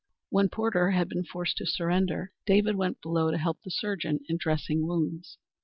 When Porter had been forced to surrender, David went below to help the surgeon in dressing wounds.